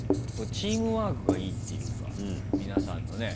チームワークがいいっていうか皆さんのね。